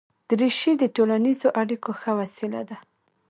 دریشي د ټولنیزو اړیکو ښه وسیله ده.